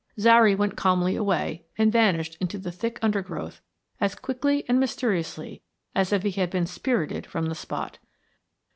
Zary went calmly away and vanished in the thick undergrowth as quickly and mysteriously as if he had been spirited from the spot.